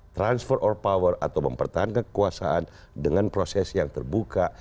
transfer of power atau mempertahankan kekuasaan dengan proses yang terbuka